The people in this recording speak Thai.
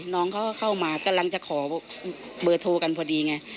น้องเขาก็เข้ามากำลังจะขอเบอร์โทรกันพอดีไง